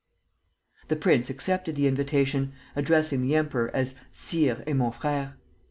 The prince accepted the invitation, addressing the emperor as "Sire et mon frère."